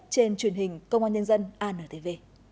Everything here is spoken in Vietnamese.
trên truyền hình công an nhân dân antv